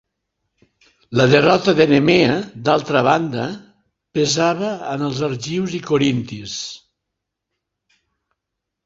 La derrota de Nemea, d'altra banda, pesava en els argius i corintis.